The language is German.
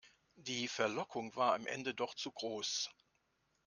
Die Verlockung war am Ende doch zu groß.